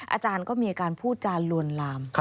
อาจารย์ก็มีอาการพูดจานลวนลาม